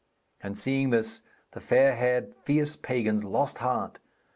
And seeing this, the fair haired fierce pagans lost heart.